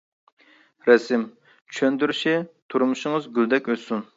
رەسىم : چۈشەندۈرۈشى : تۇرمۇشىڭىز گۈلدەك ئۆتسۇن!